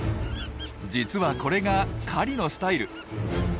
実はこれが狩りのスタイル。